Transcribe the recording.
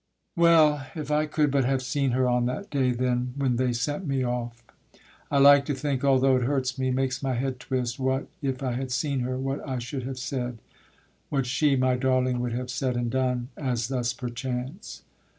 Well, If I could but have seen her on that day, Then, when they sent me off! I like to think, Although it hurts me, makes my head twist, what, If I had seen her, what I should have said, What she, my darling, would have said and done. As thus perchance.